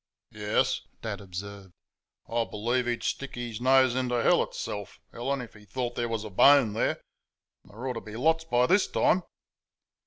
"Yes," Dad observed, "I believe he'd stick his nose into hell itself, Ellen, if he thought there was a bone there and there ought to be lots by this time."